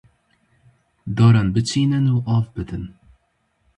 Daran biçînin û av bidin.